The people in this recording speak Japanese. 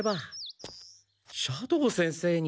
斜堂先生に。